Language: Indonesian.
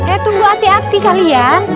eh tunggu hati hati kalian